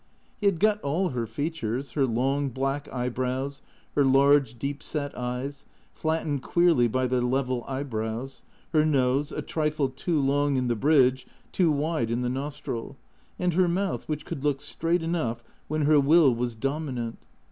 He had got all her features, her long black eyebrows, her large, deep set eyes, flattened queerly by the level eyebrows, her nose, a trifle too long in the bridge, too wide in the nostril, and her mouth which could look straight enough when her will was dominant.